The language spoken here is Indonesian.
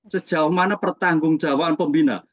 sejauh mana pertanggungjawaban pembina